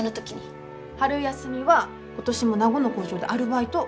春休みは今年も名護の工場でアルバイト。